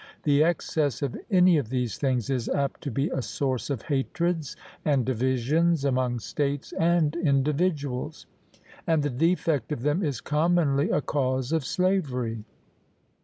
The excess of any of these things is apt to be a source of hatreds and divisions among states and individuals; and the defect of them is commonly a cause of slavery.